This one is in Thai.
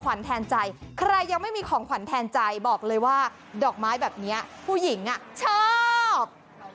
แทนใจใครยังไม่มีของขวัญแทนใจบอกเลยว่าดอกไม้แบบนี้ผู้หญิงชอบ